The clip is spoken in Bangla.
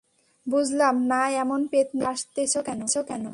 বুঝলাম না এমন পেত্নীর মত হাসতেছো কেন!